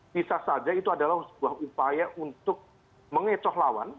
bisa saja itu adalah sebuah upaya untuk mengecoh lawan